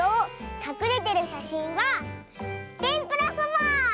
かくれてるしゃしんはてんぷらそば！